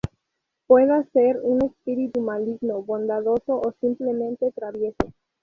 Pueda ser un espíritu maligno, bondadoso o simplemente travieso.